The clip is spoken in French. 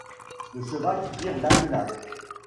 le cheval tire l'attelage